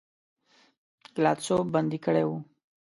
ګلادسوف بندي کړی وو.